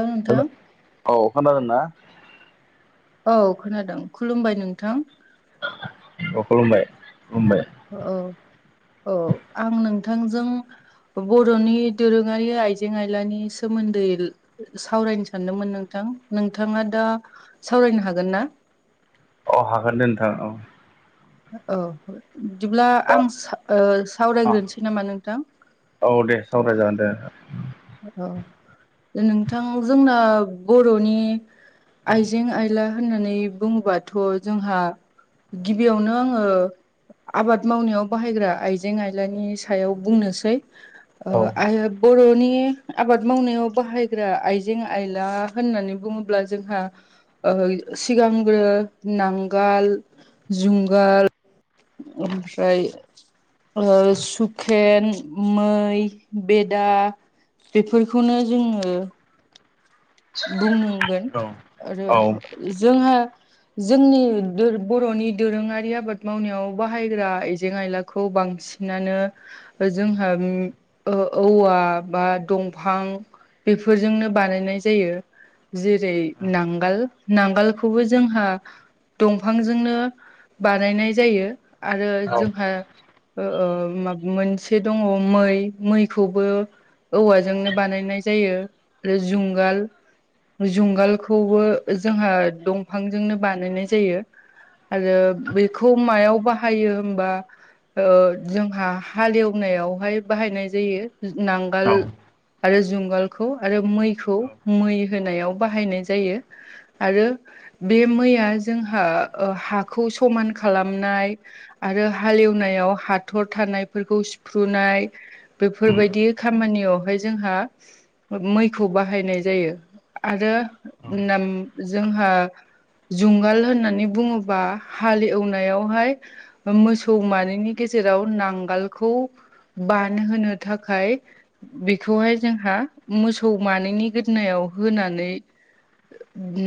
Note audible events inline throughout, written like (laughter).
ओं नोंथां औ खोनादों ना? औ खोनादों खुलुमबाय नोंथां। औ खुलुमबाय खुलुमबाय। अ' औ औ आं नोंथांजों बर'नि दोरोङारि आइजें आइलानि सोमोन्दै ला सावरायनो सानदोंमोन नोंथां। नोंथाङा दा सावरायनो हागोन ना? अ' हागोन दे नोंथां औ ओ बिदिब्ला दा आं सा ओ सावरायग्रोनोसै नामा नोंथां। औ दे सावरायजागोन दे। औ नोंथां जोंना बर'नि आइजें आयला होननानै बुङोबाथ' जोंहा गिबियावनो आङो आबाद मावनायाव बाहायग्रा आइजें आयलानि सायाव बुंनोसै औ ओ आइ बर'नि आबाद मावनायाव बाहायग्रा आइजें आयला होननानै बुङोब्ला जोंहा ओ सिगांग्रो नांगाल, जुंगाल ओमफ्राय ओ सुखेन, मै, बेदा बेफोरखौनो जोङो बुंनांगोन औ आरो औ जोंहा जोंनि दो बर'नि दोरोङारि आबाद मावनायाव बाहायग्रा आइजें आयलाखौ बांसिन सिनानो जोंहा उम ओ औवा बा दंफां बेफोरजोंनो बानायनाय जायो। जेरै नांगाल नांगोलखौबो जोंहा दंफांजोंनो बानायनाय जायो। आरो औ जोंहा ओ माब मोनसे दङ मै मैखौबो औवाजोंनो बानायनाय जायो। ओ जुंगाल जुंगालखौबो जोंहा दंफांजोंनो बानायनाय जायो। आरो बेखौ मायाव बाहायो होमबा ओ जोंहा हालेवनायावहाय बाहायनाय जायो। नांगाल आरो जुंगालखौ आरो मैखौ मै होनायाव बाहायनाय जायो। आरो बे मैया जोंहा ओ हाखौ समान खालामनाय आरो हालेवनायाव हाथर थानायफोरखौ सिफ्रुनाय बेफोर बायदि खामानियावहाय जोंहा मैखौ बाहायनाय जा जायो आरो नाम जोंहा जुंगाल होननानै बुङोबा हालेवनायावहाय मोसौ मानैनि गेजेराव नांगालखौ बान होनोनो थाखाय बेखौहाय जोंहा मोसौ मानैनि (unintelligible) नायाव होनानै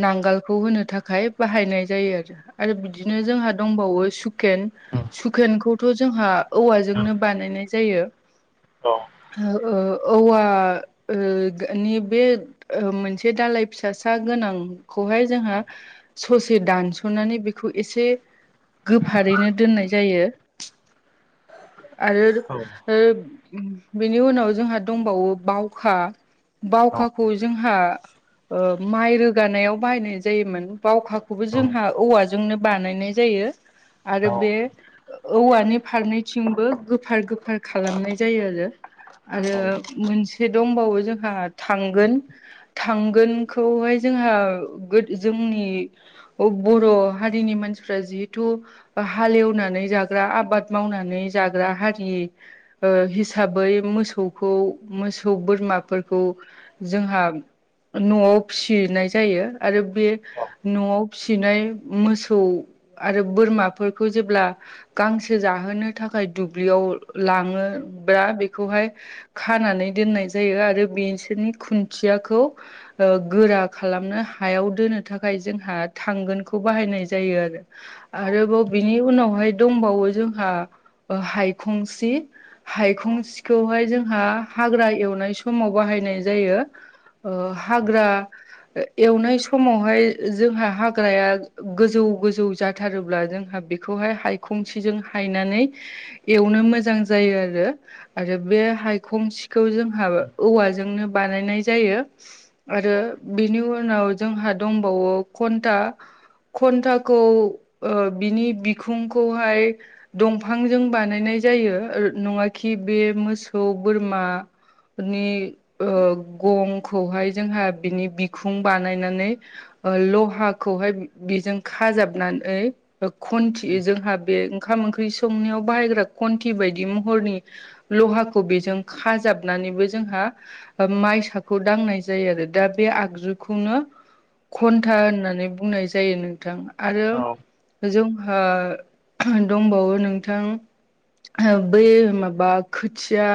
नांगालखौ होनो थाखाय बाहायनाय जायो आरो। आरो बिदिनो जोंहा दंबावो सुकेन सुखेनखौथ' जोंहा औवाजोंनो बानायनाय जायो। औ हो ओ औवा ओनि बे ओ मोनसे दालाय फिसा सा गोनांखौहाय जोंहा ससे दानस'नानै बेखौ एसे गोफारैनो दोननाय जायो। आरो ओ बेनि उनाव जोंहा दंबावो बावखा बावखा खौ जोंहा ओ माइ रोगानायाव बाहायनाय जायोमोन। बावखाखौबो जोंहा औवाजोंनो बानायनाय जायो‌। आरो बे औवानि फारनैथिंबो गोफार गोफार खालामनाय जायो आरो। आरो मोनसे दंबावो जोंहा थां गोन थांगोनखौहाय जोंहा गोद जोंनि बर' हारिनि मानसिफ्रा जिहेथु हालेवनानै जाग्रा आबाद मावनानै जाग्रा हारि हिसाबै मोसौखौ मोसौ बोरमाफोरखौ जोंहा न'आव फिनाय जायो आरो बे न'आव फिसिनाय मोसौ आरो बोरमाफोरखौ जेब्ला गांसो जाहोनो थाखाय दुब्लियाव लाङोबा बेखौहाय खानानै दोननाय जायो। आरो बिसोरनि खुन्थियाखौ ओ गोरा खालामनो हायाव दोननो थाखाय जोंहा थांगोन खौ बाहायनाय जायो आरो। आरोबाव बिनि उनावहाय दंबावो जोंहा ओ हायखंसि हायखं सिखौहाय जोंहा हाग्रा एवनाय समाव बाहायनाय जायो। ओ हाग्रा एवनाय समावहाय जोंहा हाग्राया गोजौ गोजौ जाथारोब्ला जोंहा बेखौहाय हायखंसेजों हायनानै एवनो मोजां जायो आरो आरो बे हायखं खौ जोंहा औवाजोंनो बानायनाय जायो आरो बेनि उनाव जोंहा दंबावो घन्टा खन्थाखौ बिनि बिखुंखौहाय दंफांजों बानायनाय जायो नङााखि बे मोसौ बोरमा नि गंखौहाय जोंहा बिनि बिखुं बानायनानै लहाखौहाय बेजों खाजाबनानै खन्थि जोंहा बे ओंखाम ओंख्रि संनायाव बाहायग्रा खन्थि बायदि महरनि लहाखौ बेजों खाजाबनानैबो जोंहा माइसाखौ दांनाय जायो आरो दा बे आगजुखौनो घन्था होननानै बुंनाय जायो नोंथां आरो औ जोंहा दंबावो नोंथां बै माबा खोथिया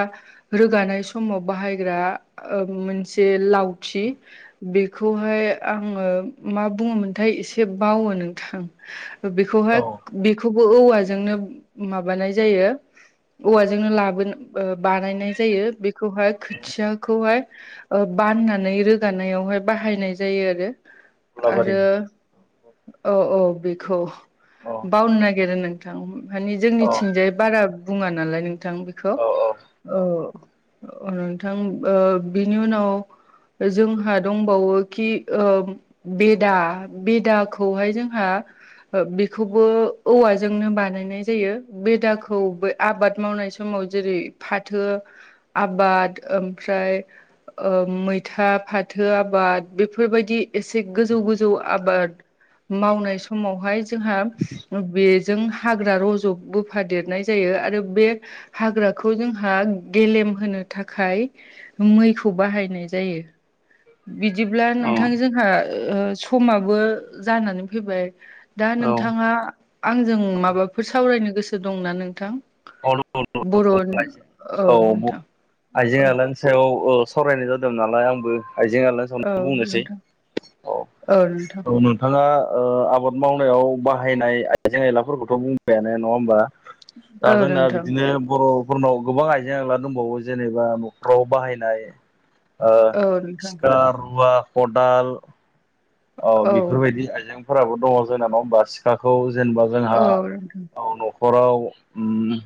रोगानाय समाव बाहायग्रा मोनसे लावथि बेखौहाय आङो मा बुङोमोनथाय एसे बावो नोंथां औ बिखौहाय बेखौबो औवाजोंनो माबानाय जायो औवाजोंनो लाबोन बानायनाय जायो बेखौहाय खोथिया खौाय बाननानै रोगानायावहाय बाहायनाय जायो आरो उलाबारि आरो औ औ औ बेखौ औ बावनो नागिरो नों मानानि औ जोंनिथिंजाय बारा- बुङा नालाय नोंथां बेखौ औ नोंथां बिनि उनाव जोंहा दंबावोखि बेदा बेदाखौहाय जोंहा बेखौबो औवाजोंनो बानायनाय जायो बेदाखौ आबाद मावनाय समाव जेरै फाथो आबाद ओमफ्राय- मैथा फाथो आबाद बेफोरबायदि एसे गोजौ गोजौ आबाद मावनाय समावहाय जोंहा बेजों हाग्रा रज'बोफादेरनाय जायो आरो बे हाग्राखौ जोंहा गेलेम होनो थाखाय मैखौ बाहायनाय जायो बिदिब्ला नोंथां जोंहा ओ समाबो जानानै फैबाय दा नोंथाङा आंजों माबाफोर सावरायनो गोसो दंना नोंथां। (unintelligible) बर'नि औ औ आइजेंआलानो सायाव सावरायनाय जादों नालाय आंबो आइजें-आइला औ बुंनोसै अ नोंथां औ औ आंङो ओ आबाद मावनायाव बाहायनाय आइजें आइलाफोरखौथ' बुंबायानो नङा होमबा दा औ जोंना नोंथां बिदिनो बर'फोरनाव गोबां आइजें-आइला दंबावो जेनेबा न'खराव बाहायनाय ओ औ नोंथां सिखा, रुवा खदाल औ बेफोरबायदि आइजेंफोराबो दङ जोंना नंङा होमबा सिखाखौ जेनेबा जोंहा औ न'खराव ओम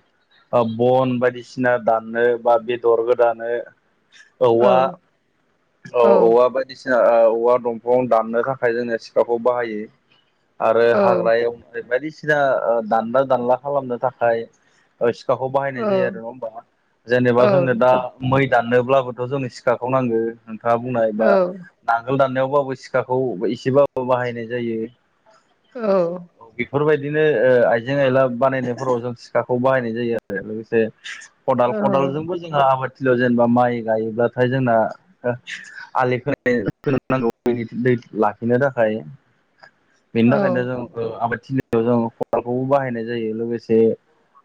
ओ बन बायदिसिना दाननो बा बेदर गोदानो औ औवा औ औवा बायदिसिना औवा, दंफां दानो नो थाखाय जोंङो सिखाखौ बाहायो आरो औ हाग्रा एवनाय बायदिसिना जोआ‌ ओ दानला दानला खालामनो थाखाय ओ सिखाखौ बाहायनाय जायो आरो नङा होमबा जेनेबा औ जोंनो दा नोंथां मै दाननोब्लाबोथ' जोंनो सिखाखौ नांगो नोंथांङा बुंनायबा औ नांगोल दाननायावबाबो सिखा सिखाखौ एसेबाबो बाहायनाय जायो। औ बेफोरबायदिनो ओ आइजें-आयला बानायनायफोराव जों सिखाखौ बाहायनाय जायो आरो लोगोसे खदाल औ खदालजोंबो जोंहा आबाद जेनेबा माइ गायोब्लाथाय जोंना हो आलि दै लाखिनो थाखाय बेनि थाखायनो जों ओ आबादथिलियाव जों खदालखौबो बाहायनाय जायो लोगोसे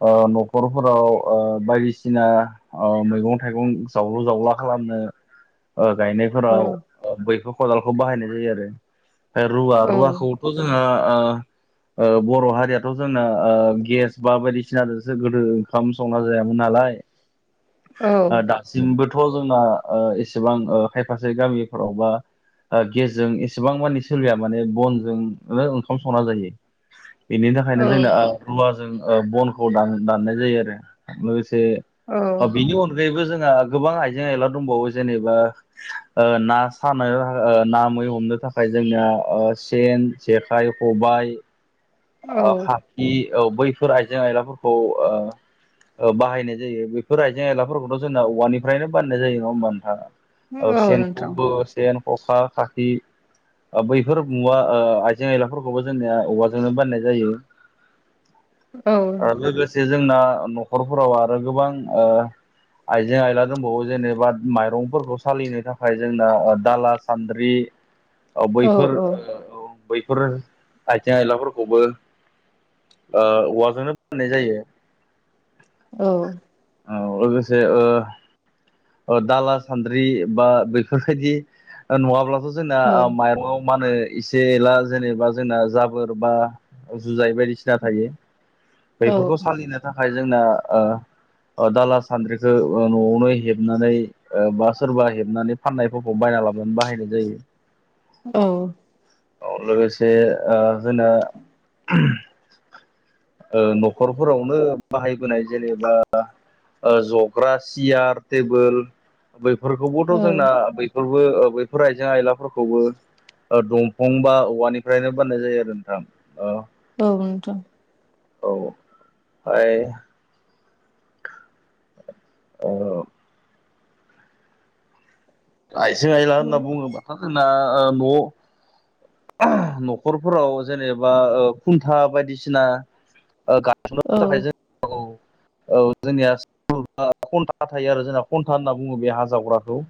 ओ न'खरफोराव ओ बायदिसिना औ मैगं-थाइगं जावलु-जावला खालामनो ओ गायनाय औ फोराव बैखौ खदालखौ बाहायनाय जायो आरो रुवा, रुवाखौ औ जोंङो ओ ओ बर' हारियाथ' जोंना गेस बा बायदिसिनाजोंसो गोदो ओंखाम संना जायामोन नालाय। (inaudible) ओ दासिमबोथ' जोंना ओ एसेबां ओ खायफासे गामिफोराव बा ओ गेसजों एसेबां मानि सोलिया माने बनजोंनो ओंखाम संना जायो। बेनि औ थाखायनो जोंना ओ रुवाजों ओ बनखौ दान दाननाय जायो आरो लोगोसे औ ओ बिनि अन बो जोंहा गोबां आइजें-आयला दंबावो जेनेबा ओ ना सानो ओ ना, मै हमनो थाखाय जोंनिया सेन, जेखाइ, खबाइ औ ओ खाखि औ बैफोर आइजें-आयलाफोरखौ ओ ओ बाहायनाय जायो बेफोर आइजें-आयलाफोरखौथ' जोंना औवानिफ्रायनो बाननाय जायो नंङा होमबा नोंथाङा। औ सेनखौबो सेन ख'खा, खाखि बैफोर मुवा ओ आइजें-आइलाफोरखौबो जोंनिया औवाजो ओ बनाय जायो औ ओ लोगोसे जे जोंना न'खरफोराव आरो गोबां आइजें-आइला दंबावो जेनेबा माइरंफोरखौ सालिनो थाखाय जोंना दाला-सान्द्रि (inaudible) ओ बैफोर ओ औ बैफोर आयजें- आयलाफोर खौबो ओ औवाजोंनो बानायनाय जायो। औ। औ लोगोसे दाला सान्द्रि बा बेफोरबायदि नुङाब्लाथ' जोंना माइरंआव मा होनो एसे एला जेनेबा जोंना जाबोर बा जुजाय बायदिसिना थायो औ बेफोरखौ सालिनो थाखाय जोंना दाला सान्द्रिखौ न'आवनो हेबनानै बा सोरबा हेबनानै फाननायफोरखौ बायना लाबोनानै बाहायनाय जायो औ लोगोसे जोंना न'खरफोरावनो बाहायबोनाय जेनेबा जग्रा सियार टेबोल बैफोरखौबोथ' औ जोंना बैफोरबो बैफोर आइजें आयलाफोरखौबो ओ दंफां बा औवानिफ्रायनो बाननाय जायो आरो नोंथां। औथ' औ अ आइजें आइला होनना औ बुङोबाथ' जोंना न' न'खरफोराव जेनेबा खुन्था बायदिसिना थाखाय जों औ जोंनिया खन्था थायो आरो जोंना खन्था होनना बुङो बे हा जावग्राखौ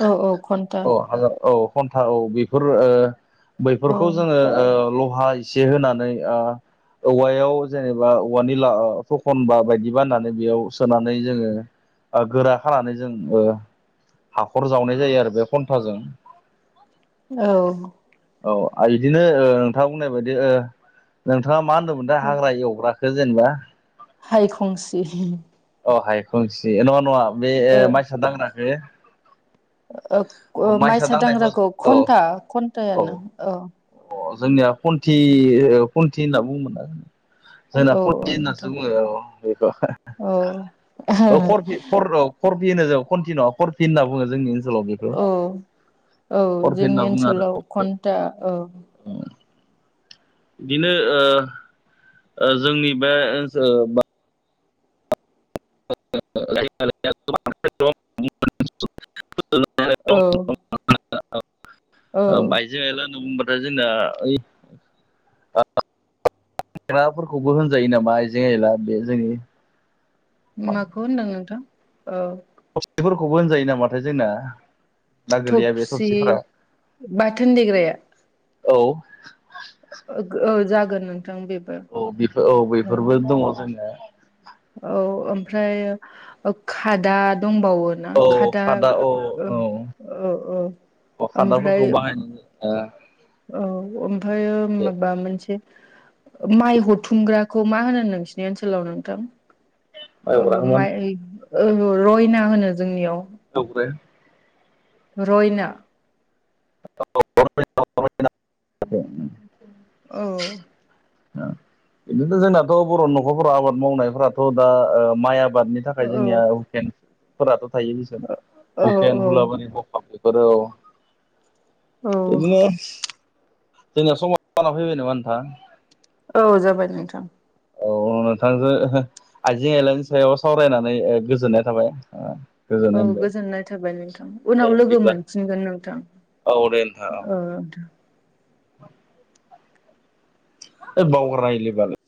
औ औ घन्टा औ हाजार औ घन्टा औ बेफोर औ बैफोरखौ जोङो लहा एसे होनानै औवायाव जेनेबा औवानि ला फखनबा बायदि बा होननानै बेयाव सोनानै जोङो गोरा खानानै जों हाखर जावनाय जायो आरो बे खन्थाजों औ औ बिदिनो नोंथाङा बुंनाय बायदि नोंथाङा मा होनदोंमोन द हाग्रा एवग्राखो सो जेनबा हायखंसि अ हाय खंसे नङा नङा बे ओ माइसा दांग्राखो ओ औ माइसा दांनायखौ दांग्राखौ औ घन्टा घन्टानो औ अ जोंनिया खुन्थि खुन्थि होनना बुङोमोन ना जों। जोंना औ फनटि नोंथां होननासो बुङो औ बेखौ औ औरफि होन जाब कन्टिन'रफि होनना बुङो जोंनि ओनसोलाव बे औ औ जोंनि ओनसोलाव घन्टा औ औ बिदिनो जोंनि बे (unintelligible) (unintelligible) औ औ बाइज गायला होनना बुंबाथायथाय जोंना ओइ फग्राफोरखौबो होनजायो नामा आइजें आइला बे जोंनि माखौ होनदों नोंथां औ मफोरखौबो होनजायो नामाथाय जोंना ना गोलैया बे थफसि थबसिफोरा बाथोन देग्राया औ ओ जागोन नो औ बेफोर औ बेफोरबो दङ जोंनिया औ ओमफ्राय खादा दंबावो। ना खादा औ औ ओमफ्राय ओ औ ओमफ्रायायो माबा मोनसे माइ हथुमग्राखौ मा होनो नोंसिनि ओनसोलाव नोंथां? ओ माइ ओ रयना होनो जोंनियाव (unintelligible) रयना (unintelligible) औ बिदिथनो जोंनाथ' बर' न'खरफोराव आबाद मावनायफोराथ' दा माइ आबादनि थाखाय औ जोंनियाकन्द फोरथ' थायो औ बेसकन्द औ हुलाब औ बिदिनो जोंनियाव समाजाना फैबाय नङा नोंथां। औ जाबाय नोंथां औ नोंथांजों आइजें आइलानि सायाव सावरायनानै ओ गोजोननाय थाबाय औ गोजोननाय मोनबाय गोजोननाय थाबाय नोंथां उनाव लोगो मोनफिनगोन नोंथां ब्लेम था अ औ द ओ बावगार लायोलै बाल